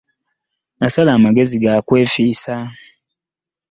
Nasala amagezi ga kwefiisa.